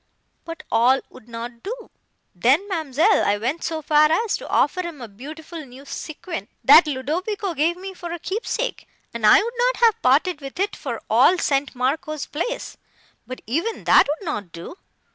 But all would not do. Then, ma'amselle, I went so far as to offer him a beautiful new sequin, that Ludovico gave me for a keepsake, and I would not have parted with it for all St. Marco's Place; but even that would not do!